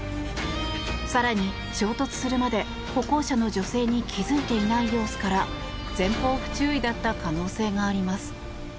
更に、衝突するまで歩行者の女性に気づいていない様子から前方不注意だった可能性があります。